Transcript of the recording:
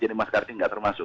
jadi mas karti tidak termasuk